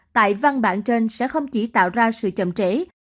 tại văn bản trên sẽ không chỉ tạo ra sự chậm trễ